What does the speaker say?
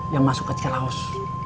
yang masuk ke ciraus